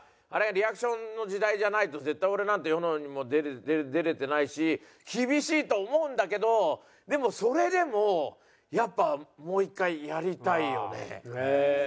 リアクションの時代じゃないと絶対俺なんて世にも出られてないし厳しいと思うんだけどでもそれでもやっぱりへえー！